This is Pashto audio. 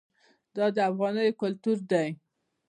دا د افغانانو کلتور دی.